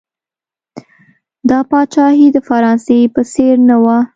دا پاچاهي د فرانسې په څېر نه وه.